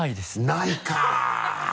ないかぁ。